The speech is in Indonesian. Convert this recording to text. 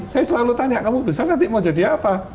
saya selalu tanya kamu besar nanti mau jadi apa